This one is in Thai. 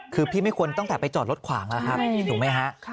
คือพี่ไม่ควรตั้งแต่ไปจอดรถขวางแล้วครับถูกไหมฮะ